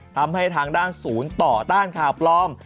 ทำให้ทางด้านศูนย์ต่อต้านข่าวปลอม